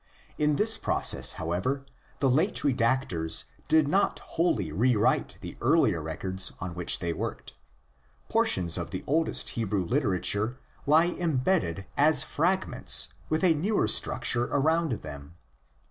In this process, how ever, the late redactors did not wholly re write the 6 THE ORIGINS OF CHRISTIANITY earlier records on which they worked. Portions of the oldest Hebrew literature lie embedded as frag ments with a newer structure around them.